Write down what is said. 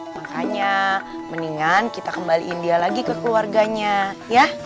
makanya mendingan kita kembaliin dia lagi ke keluarganya ya